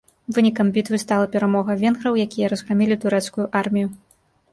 Вынікам бітвы стала перамога венграў, якія разграмілі турэцкую армію.